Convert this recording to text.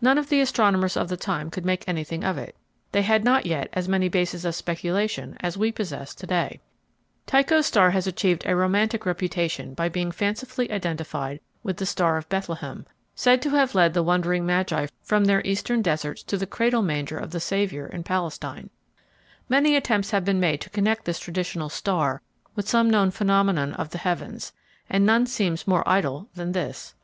None of the astronomers of the time could make anything of it. They had not yet as many bases of speculation as we possess today. [Illustration: Chart showing location of Tycho's star, 1572, and Nova Persei of 1901] Tycho's star has achieved a romantic reputation by being fancifully identified with the "Star of Bethlehem," said to have led the wondering Magi from their eastern deserts to the cradle manger of the Savior in Palestine. Many attempts have been made to connect this traditional "star" with some known phenomenon of the heavens, and none seems more idle than this.